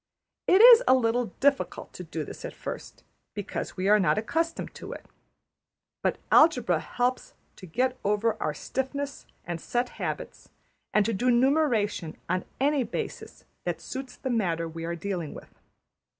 It is a little difficult to do this at first, because we are not accustomed to it; but algebra helps to get over our stiffness and set habits and to do numeration on any basis that suits the matter we are dealing with.